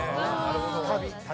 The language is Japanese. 旅。